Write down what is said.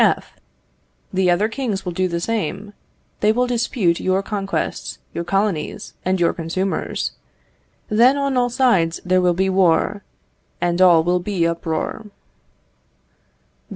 F. The other kings will do the same. They will dispute your conquests, your colonies, and your consumers; then on all sides there will be war, and all will be uproar.